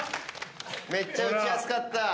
めっちゃ打ちやすかった。